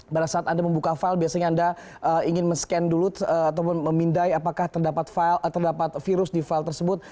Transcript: pada saat anda membuka file biasanya anda ingin men scan dulu ataupun memindai apakah terdapat virus di file tersebut